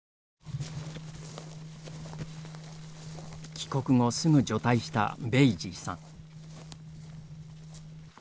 帰国後すぐ除隊したベイジーさん。